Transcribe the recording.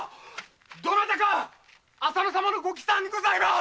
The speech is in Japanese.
どなたか浅野様のご帰参でございます。